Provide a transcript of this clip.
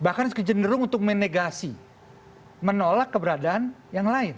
bahkan sekenderung untuk menegasi menolak keberadaan yang lain